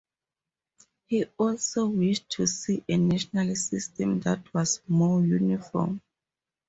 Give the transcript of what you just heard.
He also wished to see a national system that was more uniform.